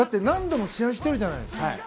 何度も試合してるじゃないですか。